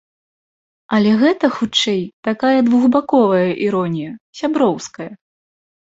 Але гэта, хутчэй, такая двухбаковая іронія, сяброўская.